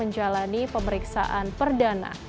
menjelani pemeriksaan perdana